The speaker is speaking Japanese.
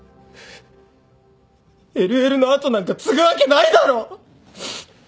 ＬＬの後なんか継ぐわけないだろ！